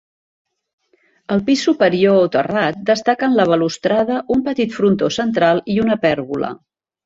Al pis superior o terrat, destaquen la balustrada, un petit frontó central i una pèrgola.